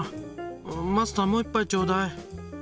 マスターもう一杯ちょうだい。